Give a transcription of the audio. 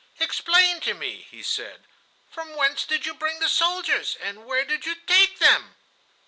"Explain to me," he said; "from whence did you bring the soldiers, and where did you take them?"